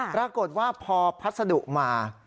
ปรากฏว่าพอพัสดุมา